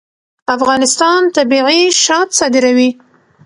افغانستان طبیعي شات صادروي